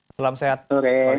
selamat sore pak wid